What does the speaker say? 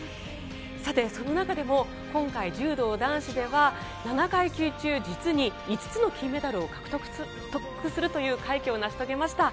さて、その中でも今回、柔道男子では７階級中、実に５つの金メダルを獲得するという快挙を成し遂げました。